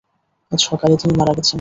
আজ সকালে তিনি মারা গেছেন।